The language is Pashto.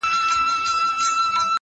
• ځي له وطنه خو په هر قدم و شاته ګوري؛